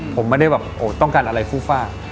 ผมไม่ได้แบบต้องการอะไรฟูฟ่า